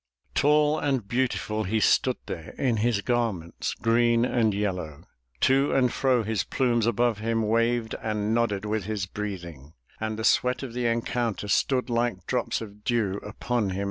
Tall and beautiful he stood there, In his garments green and yellow; To and fro his plumes above him Waved and nodded with his breathing, And the sweat of the encounter Stood like drops of dew upon him.